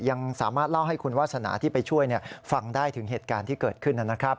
ยังสามารถเล่าให้คุณวาสนาที่ไปช่วยฟังได้ถึงเหตุการณ์ที่เกิดขึ้นนะครับ